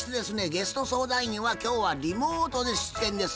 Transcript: ゲスト相談員は今日はリモートで出演です。